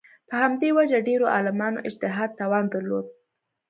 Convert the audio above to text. په همدې وجه ډېرو عالمانو اجتهاد توان درلود